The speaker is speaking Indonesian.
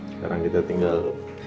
sekarang kita tinggal